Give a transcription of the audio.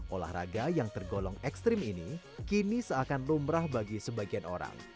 olahraga yang tergolong ekstrim ini kini seakan lumrah bagi sebagian orang